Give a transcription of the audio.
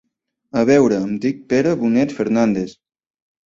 A veure em dic Pere Bonet Fernández.